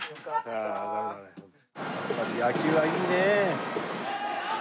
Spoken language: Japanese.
やっぱり野球はいいね！